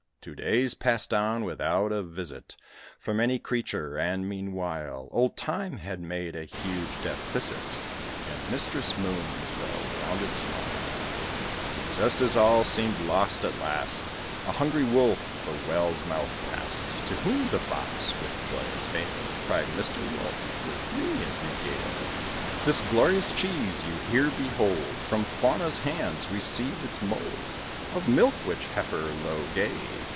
Two days passed on without a visit From any creature; and, meanwhile, Old Time had made a huge deficit In Mistress Moon's well rounded smile. But, just as all seemed lost, at last A hungry Wolf the well's mouth past; To whom the Fox, with joyous hail, Cried, "Mister Wolf, with me regale; This glorious cheese you here behold, From Fauna's hands received its mould, Of milk which heifer Io gave.